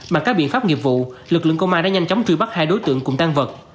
mặc các biện pháp nghiệp vụ lực lượng công an đã nhanh chóng thủy bắt hai đối tượng cùng tăng vật